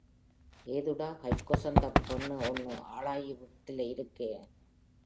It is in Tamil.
ஏதுடா கைக் கொசந்தப் பொண்ணு ஒண்னு ஆளாயி வீட்டுலே இருக்கெ!